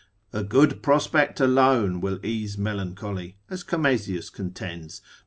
A good prospect alone will ease melancholy, as Comesius contends, lib.